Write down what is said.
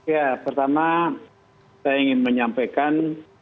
ya pertama saya ingin menyampaikan